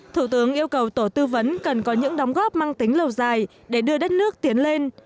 thủ tướng yêu cầu tổ tư vấn cần có những đóng góp mang tính lâu dài để đưa đất nước tiến lên